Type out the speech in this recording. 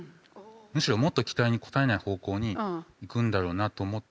むしろもっと期待に応えない方向に行くんだろうなと思って。